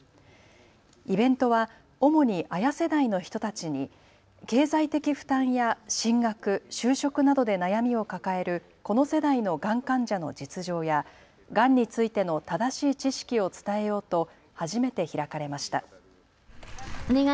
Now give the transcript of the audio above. イベントは主にＡＹＡ世代の人たちに経済的負担や進学、就職などで悩みを抱えるこの世代のがん患者の実情やがんについての正しい知識を伝えようと初めて開かれました。